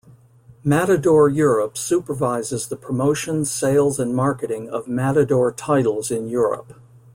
Matador Europe supervises the promotion, sales and marketing of Matador titles in Europe.